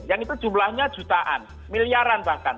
yang itu jumlahnya jutaan miliaran bahkan